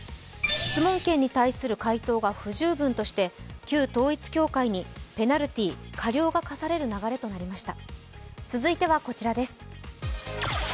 質問権に対する回答が不十分だとして旧統一教会にペナルティー、過料が科される流れとなりました。